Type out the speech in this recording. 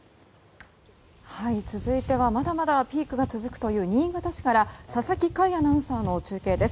続いてはまだまだピークが続くという新潟市から佐々木快アナウンサーの中継です。